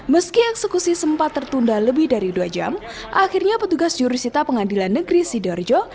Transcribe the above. meski eksekusi sempat tertunda lebih dari dua jam akhirnya petugas jurusita pengadilan negeri sidoarjo